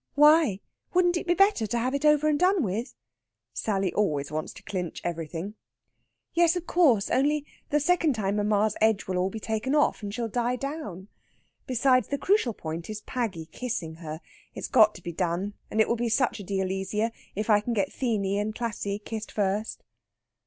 "Why? Wouldn't it be better to have it over and done with?" Sally always wants to clinch everything. "Yes, of course; only the second time mamma's edge will be all taken off, and she'll die down. Besides, the crucial point is Paggy kissing her. It's got to be done, and it will be such a deal easier if I can get Theeny and Classy kissed first."